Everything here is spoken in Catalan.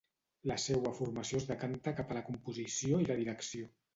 La seua formació es decanta cap a la composició i la direcció.